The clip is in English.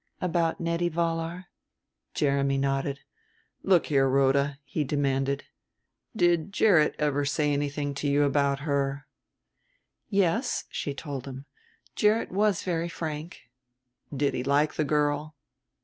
"About Nettie Vollar?" Jeremy nodded. "Look here, Rhoda," he demanded, "did Gerrit ever say anything to you about her?" "Yes," she told him; "Gerrit was very frank." "Did he like the girl?"